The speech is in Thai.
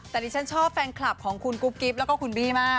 แต่ดิฉันชอบแฟนคลับของคุณกุ๊บกิ๊บแล้วก็คุณบี้มาก